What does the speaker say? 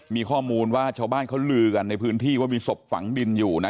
มีข้อมูลว่าชาวบ้านเขาลือกันในพื้นที่ว่ามีศพฝังดินอยู่นะ